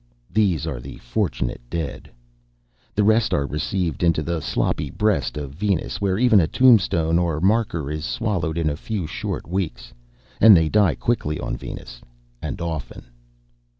These are the fortunate dead. The rest are received into the sloppy breast of Venus where even a tombstone or marker is swallowed in a few, short weeks. And they die quickly on Venus, and often.